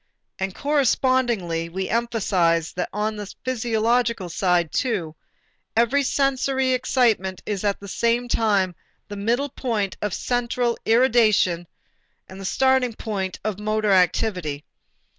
And correspondingly we emphasized that on the physiological side too, every sensory excitement is at the same time the middle point of central irradiation and the starting point of motor activity.